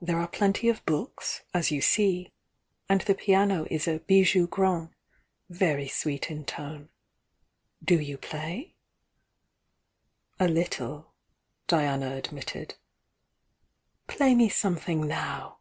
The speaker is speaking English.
There are plenty of books, as you see, — and the piano is a 'bijou grand,' very sweet in tone. Do you play?" "A little," Diana admitted. "Play me something now!"